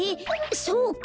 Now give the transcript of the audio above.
そうか。